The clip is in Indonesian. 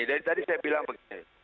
dari tadi saya bilang begini